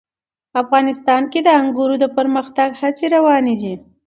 افغانستان کې د انګور د پرمختګ هڅې روانې دي.